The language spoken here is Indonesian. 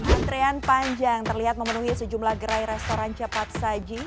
antrean panjang terlihat memenuhi sejumlah gerai restoran cepat saji